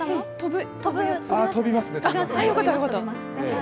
飛びますよね。